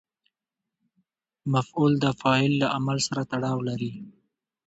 مفعول د فاعل له عمل سره تړاو لري.